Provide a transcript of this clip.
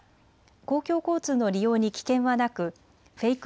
公共交通の利用に危険はなくフェイク